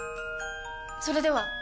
それでは！